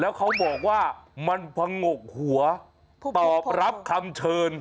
แล้วเขาบอกว่ามันผงกหัวตอบรับคำเชิญ